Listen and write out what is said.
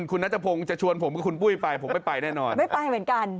คุณนัทพงศ์จะชวนผมกับคุณปุ้ยไปผมไม่ไปแน่นอนไม่ไปเหมือนกัน